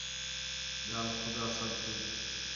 ٻِیال خُدا سب کُج